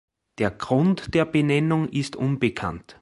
Der Grund der Benennung ist unbekannt.